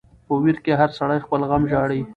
په ویر کی هر سړی خپل غم ژاړي .